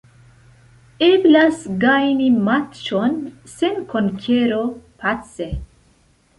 Eblas gajni matĉon sen konkero, pace.